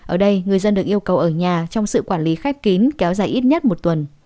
ở đây người dân được yêu cầu ở nhà trong sự quản lý khép kín kéo dài ít nhất một tuần